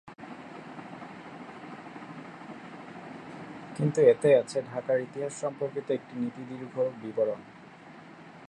কিন্তু এতে আছে ঢাকার ইতিহাস সম্পর্কিত একটি নাতিদীর্ঘ বিবরণ।